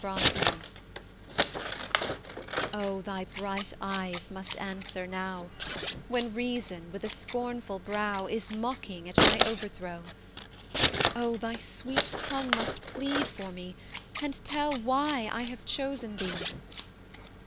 Oh, thy bright eyes must answer now, When Reason, with a scornful brow, Is mocking at my overthrow! Oh, thy sweet tongue must plead for me And tell why I have chosen thee!